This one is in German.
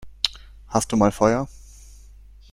Hast du mal Feuer?